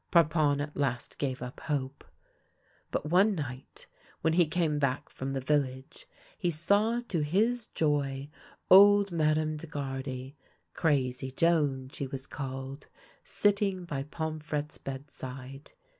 Parpon at last gave up hope ; but one night, when he came back from the village, he saw, to his joy, old Mme. Degardy (" Crazy Joan " she was called) sitting by Pomfrette's bedside.